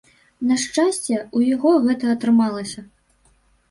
На шчасце, у яго гэта атрымалася.